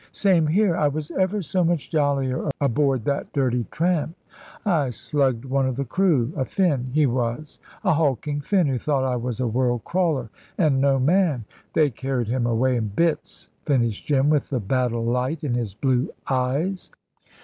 "Same here. I was ever so much jollier aboard that dirty tramp. I slugged one of the crew a Finn, he was a hulking Finn, who thought I was a world crawler, an' no man. They carried him away in bits," finished Jim, with the battle light in his blue eyes.